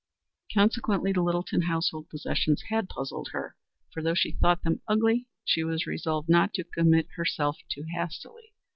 Consequently the Littleton household possessions had puzzled her, for though she thought them ugly, she was resolved not to commit herself too hastily.